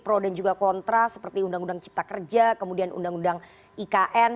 pro dan juga kontra seperti undang undang cipta kerja kemudian undang undang ikn